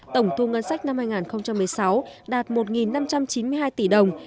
tổng thu ngân sách năm hai nghìn một mươi sáu đạt một năm trăm chín mươi hai tỷ đồng